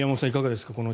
いかがですか。